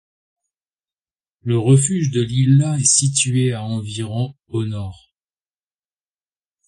Le refuge de l'Illa est situé à environ au nord.